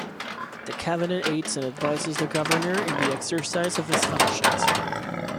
The cabinet aids and advises the Governor in the exercise of his functions.